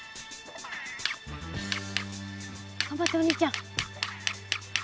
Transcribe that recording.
がんばってお兄ちゃん。